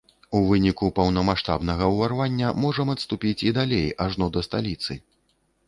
У выпадку поўнамаштабнага ўварвання можам адступіць і далей, ажно да сталіцы.